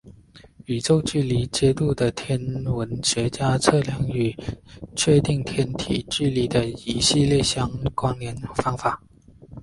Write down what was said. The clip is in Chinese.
宇宙距离梯度是天文学家测量与确定天体距离的一系列相关联方法。